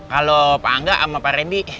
kalau pak angga sama pak randy